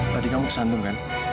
tadi kamu kesandung kan